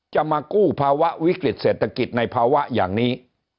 จะมากู้ภาวะวิกฤตเศรษฐกิจในภาวะอย่างนี้